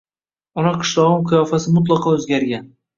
Ona qishlogʻim qiyofasi mutlaqo oʻzgargan.